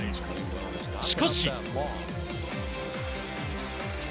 しかし。